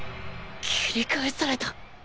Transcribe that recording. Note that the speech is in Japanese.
切り返された